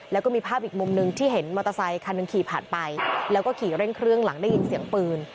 แล้วก็มีภาพอีกมุมหนึ่งที่เห็นมอเตอร์ไซคันหนึ่งขี่ผ่านไปแล้วก็ขี่เร่งเครื่องหลังได้ยินเสียงปืน